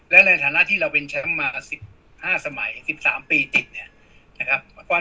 และในฐานะที่เราเป็นแชมป์มา๑๕สมัย๑๓ปีติดเนี่ยนะครับ